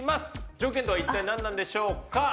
条件とは一体何なんでしょうか？